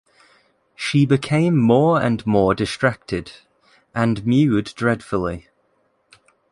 She became more and more distracted, and mewed dreadfully.